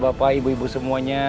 bapak ibu ibu semuanya